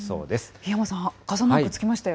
檜山さん、傘マーク付きましたよ。